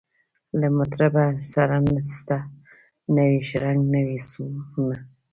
له مطربه سره نسته نوی شرنګ نوي سورونه